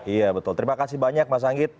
iya betul terima kasih banyak mas anggit